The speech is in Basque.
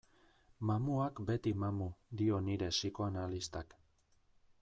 Mamuak beti mamu, dio nire psikoanalistak.